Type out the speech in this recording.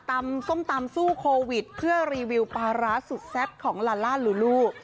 ส้มตำสู้โควิดเพื่อรีวิวปลาร้าสุดแซ่บของลาล่าลูลู